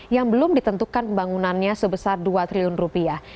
yang belum ditentukan pembangunannya sebesar dua triliun rupiah